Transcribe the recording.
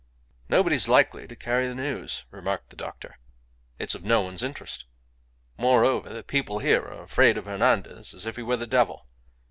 "Nobody's likely to carry the news," remarked the doctor. "It's no one's interest. Moreover, the people here are afraid of Hernandez as if he were the devil."